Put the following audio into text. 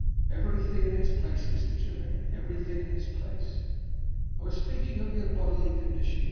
"Everything in its place, Mr. Germaine everything in its place. I was speaking of your bodily condition.